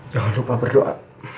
jangan lupa berdoa